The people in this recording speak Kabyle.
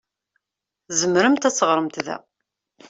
Tzemremt ad teɣṛemt da.